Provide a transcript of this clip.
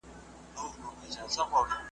چي سیالان یې له هیبته پر سجده سي `